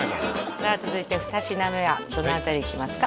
さあ続いて二品目はどの辺りいきますか？